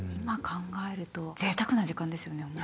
今考えるとぜいたくな時間ですよね。